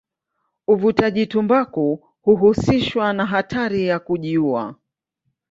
Uvutaji tumbaku huhusishwa na hatari ya kujiua.